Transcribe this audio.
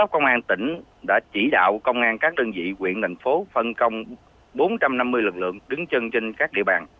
công an tỉnh đã chỉ đạo công an các đơn vị quyện thành phố phân công bốn trăm năm mươi lực lượng đứng chân trên các địa bàn